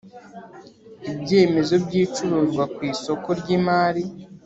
Ibyemezo by ibicuruzwa ku isoko ry imari